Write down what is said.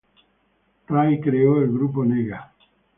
Ray creó el grupo Nega.